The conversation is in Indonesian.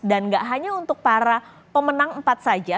dan nggak hanya untuk para pemenang empat saja